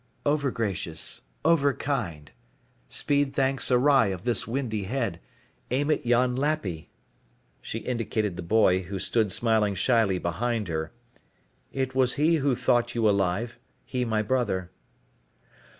"Overgracious. Overkind. Speed thanks awry of this windy head, aim at yon Lappy" she indicated the boy who stood smiling shyly behind her "it was he who thought you alive, he my brother."